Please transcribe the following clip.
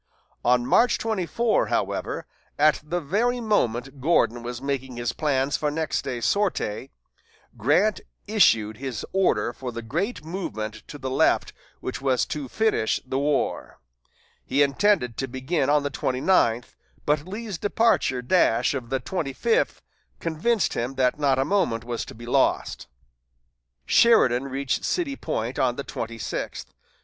On March 24, however, at the very moment Gordon was making his plans for next day's sortie, Grant issued his order for the great movement to the left which was to finish the war. He intended to begin on the twenty ninth, but Lee's desperate dash of the twenty fifth convinced him that not a moment was to be lost. Sheridan reached City Point on the twenty sixth.